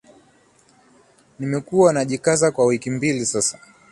Nimekuwa nikijikaza kwa wiki mbili sasa